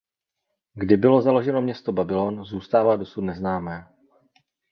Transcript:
Kdy bylo založeno město Babylon zůstává dosud neznámé.